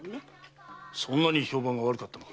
そんなに評判が悪かったのか？